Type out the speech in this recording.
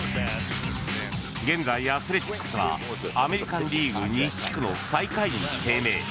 現在、アスレチックスはアメリカン・リーグ西地区の最下位に低迷。